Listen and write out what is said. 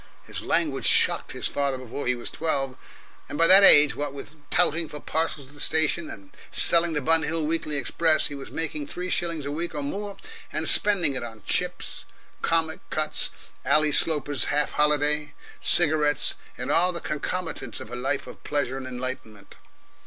His language shocked his father before he was twelve, and by that age, what with touting for parcels at the station and selling the Bun Hill Weekly Express, he was making three shillings a week, or more, and spending it on Chips, Comic Cuts, Ally Sloper's Half holiday, cigarettes, and all the concomitants of a life of pleasure and enlightenment.